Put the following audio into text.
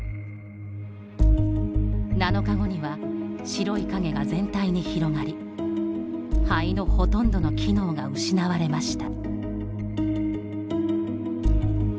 ７日後には白い影が全体に広がり肺のほとんどの機能が失われました。